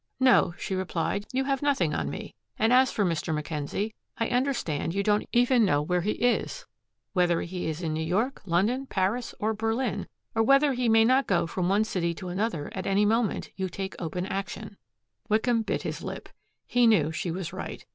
"No," she replied, "you have nothing on me. And as for Mr. Mackenzie, I understand, you don't even know where he is whether he is in New York, London, Paris, or Berlin, or whether he may not go from one city to another at any moment you take open action." Wickham bit his lip. He knew she was right.